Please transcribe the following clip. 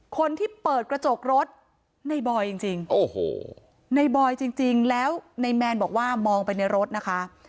คนที่เปิดกระจกรถในบอยจริงโอ้โหในบอยจริงแล้วในแมนบอกว่ามองไปในรถนะคะ